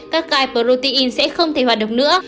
các cai protein sẽ không thể hoạt động nữa